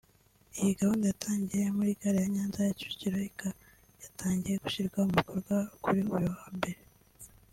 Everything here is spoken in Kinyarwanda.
Iyi gahunda yatangiriye muri gare ya Nyanza ya Kicukiro ika yatangiye gushyirwa mu bikorwa kuri uyu wa mbere